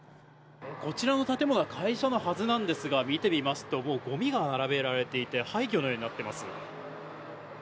こちらの建物は会社のはずなんですけども見てみますとごみが並べられていて廃墟のようになっています。